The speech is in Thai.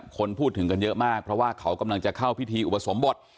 คนพูดถึงกันเยอะมากเพราะว่าเขากำลังจะเข้าพิธีอุปสมบท